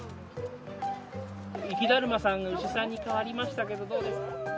雪だるまさんが牛さんに変わりましたけど、どうですか。